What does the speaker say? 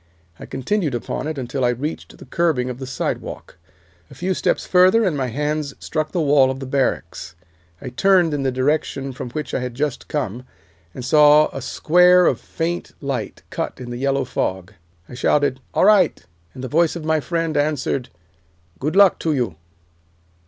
I continued upon it until I reached the curbing of the sidewalk. A few steps further, and my hands struck the wall of the barracks. I turned in the direction from which I had just come, and saw a square of faint light cut in the yellow fog. I shouted 'All right,' and the voice of my friend answered, 'Good luck to you.